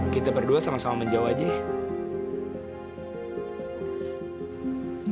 kita berdua sama sama menjawab aja ya